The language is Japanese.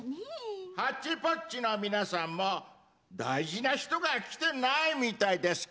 「ハッチポッチ」の皆さんも大事な人が来てないみたいですけど？